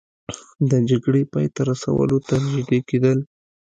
د جګړې پای ته رسولو ته نژدې کیدل